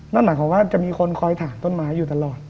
นั่นหมายความว่าจะมีคนคอยถางต้นไม้อยู่ตลอด